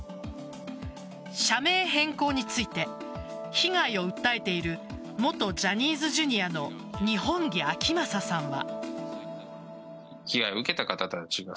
社名変更について被害を訴えている元ジャニーズＪｒ．の二本樹顕理さんは。